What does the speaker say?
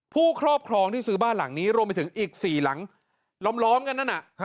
ครอบครองที่ซื้อบ้านหลังนี้รวมไปถึงอีก๔หลังล้อมกันนั่นน่ะ